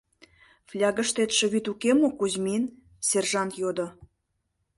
— Флягыштетше вӱд уке мо, Кузьмин? — сержант йодо.